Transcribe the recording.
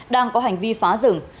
đang có hành vi phá rừng